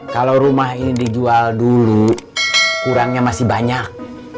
kalau rumah ini dijual dulu kurangnya masih banyak